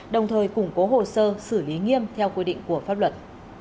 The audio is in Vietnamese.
đồng thời củng cố hồ sơ xử lý nghiêm theo quy định của pháp luật